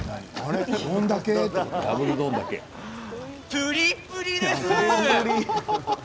プリプリです。